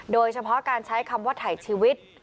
โดยเฉพาะการใช้คำว่าถ่ายชีวิต